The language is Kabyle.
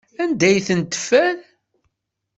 Anda ay tent-teffer?